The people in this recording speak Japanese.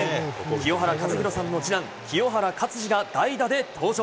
清原和博さんの次男、清原勝児が代打で登場。